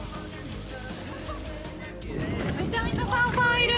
めちゃめちゃサーファーいる！